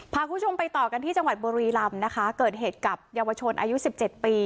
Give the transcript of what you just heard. พาคุณผู้ชมไปต่อกันที่จังหวัดบุรีรำนะคะเกิดเหตุกับเยาวชนอายุสิบเจ็ดปี